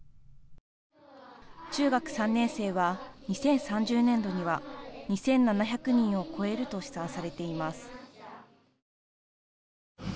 中学３年生は２０３０年度には２７００人を超えると試算されています。